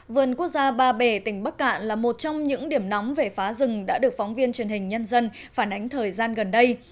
vườn quốc gia ba bể tỉnh bắc cạn là một trong những điểm nóng về phá rừng đã được phóng viên truyền hình nhân dân phản ánh thời gian gần đây